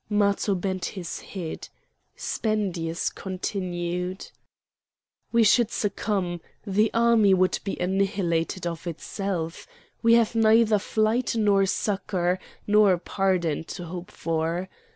Matho bent his head. Spendius continued: "We should succumb; the army would be annihilated of itself. We have neither flight, nor succour, nor pardon to hope for!